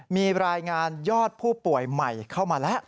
มีรายงานยอดผู้ป่วยใหม่เข้ามาแล้ว